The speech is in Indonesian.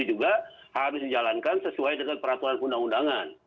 juga harus dijalankan sesuai dengan peraturan undang undangan